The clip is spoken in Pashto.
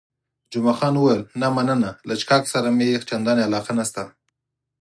جمعه خان وویل، نه مننه، له څښاک سره مې چندانې علاقه نشته.